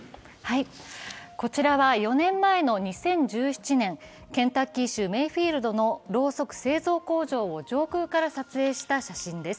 こちらは４年前の２０１７年、ケンタッキー州メイフィールドのろうそく製造工場を上空から撮影した写真です。